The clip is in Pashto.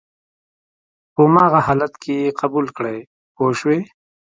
په هماغه حالت کې یې قبول کړئ پوه شوې!.